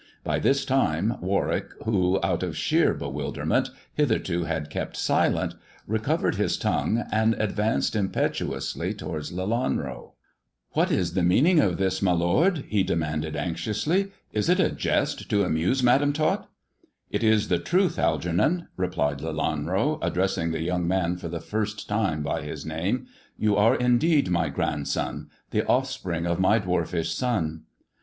By this time Warwick, who, out of sheer bewilderment, hitherto had 154 THE dwarf's chamber kept silent, recovered his tongue, and advanced impetuously towards Lelanro. " What is the meaning of all this, my lord 1 " he demanded anxiously. " Is it a jest to amuse Madam Tot ]"" It is the truth, Algernon," replied Lelanro, addressing the young man for the first time by his name. You are indeed my grandson — the offspring of my dwarfish son."